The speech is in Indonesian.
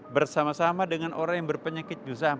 bersama sama dengan orang yang berpenyakit juzam